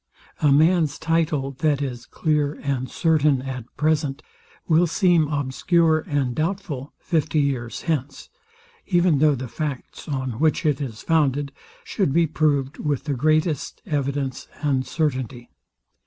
A man's title, that is clear and certain at present, will seem obscure and doubtful fifty years hence, even though the facts, on which it is founded, should be proved with the greatest evidence and certainty.